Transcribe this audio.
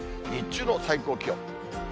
日中の最高気温。